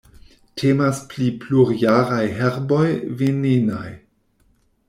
Temas pri plurjaraj herboj venenaj.